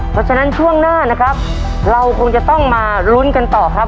เพราะฉะนั้นช่วงหน้านะครับเราคงจะต้องมาลุ้นกันต่อครับ